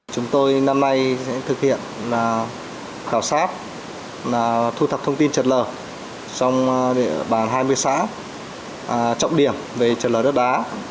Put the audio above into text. chúng tôi năm nay sẽ thực hiện khảo sát thu thập thông tin trật lở trong bản hai mươi xã trọng điểm về trật lở đất đá